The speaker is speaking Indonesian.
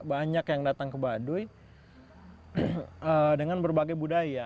banyak yang datang ke baduy dengan berbagai budaya